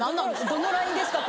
どのラインですか？